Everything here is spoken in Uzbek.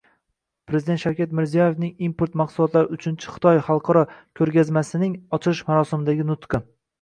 Prezident Shavkat Mirziyoyevning Import mahsulotlari uchinchi Xitoy xalqaro ko‘rgazmasining ochilish marosimidagi nutqi